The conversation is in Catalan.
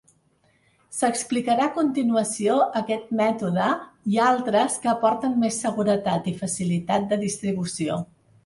S'explicarà a continuació aquest mètode i altres que aporten més seguretat i facilitat de distribució.